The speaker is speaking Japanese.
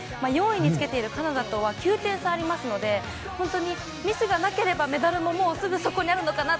４位につけているカナダとは９点差ありますのでミスがなければメダルもすぐそこです。